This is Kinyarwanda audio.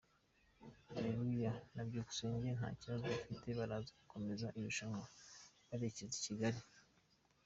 Aleluya na Byukusenge nta kibazo bafite baraza gukomeza irushanwa berekeza i Kigali.